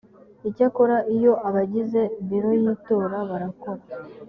icyakora iyo abagize biro y itora barakora